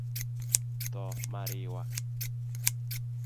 Tho ma riwa;